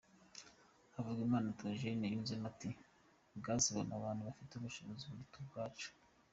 Havugimana Theogene yunzemo ati “ Gaz ibona abantu bafite ubushobozi buruta ubwacu.